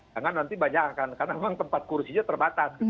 jangan nanti banyak akan karena memang tempat kursinya terbatas